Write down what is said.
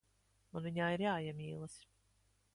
Man viņā ir jāiemīlas.